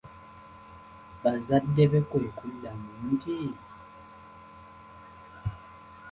Bazadde be kwekuddamu nti,